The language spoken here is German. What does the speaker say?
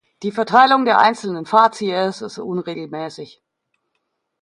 Die Verteilung der einzelnen Fazies ist unregelmäßig.